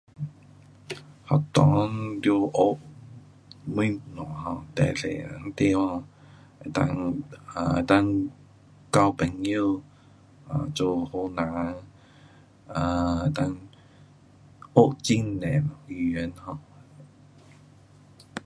学堂得学东西 um 最多的地方，能够 um 能够交朋友，做好人，能够学很多语言。